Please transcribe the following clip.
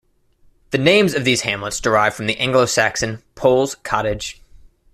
The names of these hamlets derive from the Anglo Saxon "Pol's Cottage".